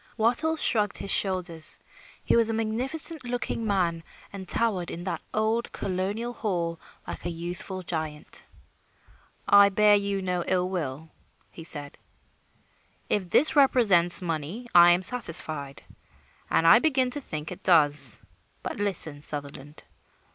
Wattles shrugged his shoulders. He was a magnificent looking man and towered in that old colonial hall like a youthful giant. "I bear you no ill will," said he. "If this represents money, I am satisfied, and I begin to think it does. But listen, Sutherland.